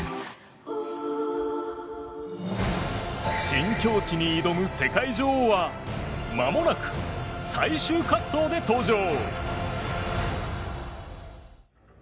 新境地に挑む世界女王はまもなく最終滑走で登場！